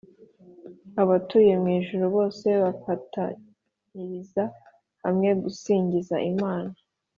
abatuye mu ijuru bose bafatantiriza hamwe gusingiza imana.